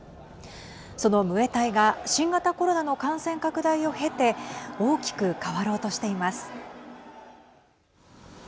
そのムエタイが新型コロナの感染拡大を経て大きく変わろうとしています。